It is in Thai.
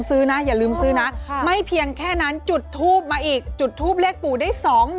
ซื้อนะอย่าลืมซื้อนะไม่เพียงแค่นั้นจุดทูปมาอีกจุดทูปเลขปู่ได้๒๐๐๐